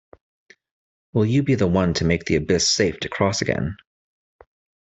Will you be the one to make the Abyss safe to cross again.